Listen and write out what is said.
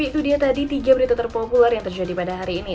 itu dia tadi tiga berita terpopuler yang terjadi pada hari ini